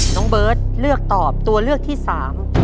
น้องเบิร์ตเลือกตอบตัวเลือกที่สาม